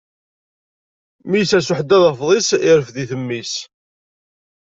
Mi yessers uḥeddad afḍis, irefd-it mmi-s.